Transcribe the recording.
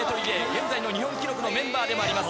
現在の日本記録のメンバーでもあります。